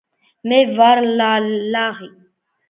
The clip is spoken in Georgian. მე ვარ ლაღი